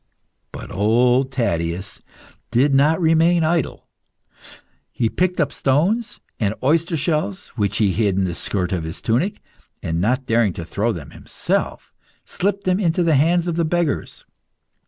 But old Taddeus did not remain idle. He picked up stones and oyster shells, which he hid in the skirt of his tunic, and not daring to throw them himself slipped them into the hands of the beggars.